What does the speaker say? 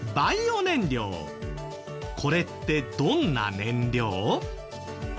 これってどんな燃料？